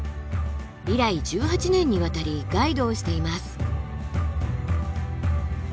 以来１８年にわたりガイドをしています。